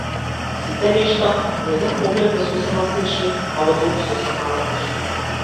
Сите нешта во еден поглед се сосема слични, а во друг сосема различни.